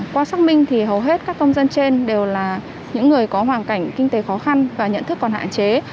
qua xác minh thì hầu hết các công dân trên đều là những người có hoàn cảnh kinh tế khó khăn và nhận thức còn hạn chế